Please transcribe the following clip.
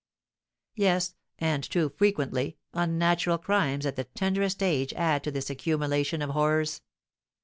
Yes, and too frequently unnatural crimes at the tenderest age add to this accumulation of horrors.